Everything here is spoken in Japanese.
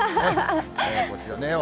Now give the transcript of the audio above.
こちらね。